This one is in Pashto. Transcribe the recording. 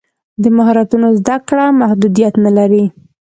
د مهارتونو زده کړه محدودیت نه لري.